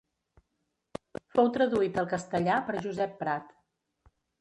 Fou traduït al castellà per Josep Prat.